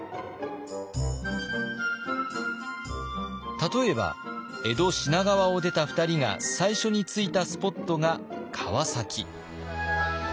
例えば江戸品川を出た２人が最初に着いたスポットが川崎。